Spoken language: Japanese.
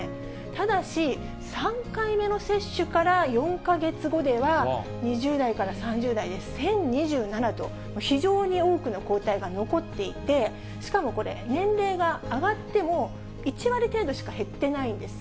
ただし、３回目の接種から４か月後では、２０代から３０代で１０２７と、非常に大きな抗体が残っていて、しかもこれ、年齢が上がっても１割程度しか減ってないんです。